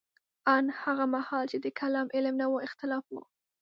ان هغه مهال چې د کلام علم نه و اختلاف وو.